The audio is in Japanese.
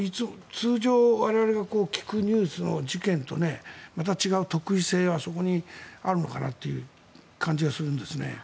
通常我々が聞くニュースの事件とまた違う特異性がそこにあるのかなという感じがするんです。